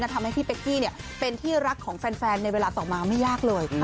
ทำให้พี่เป๊กกี้เป็นที่รักของแฟนในเวลาต่อมาไม่ยากเลย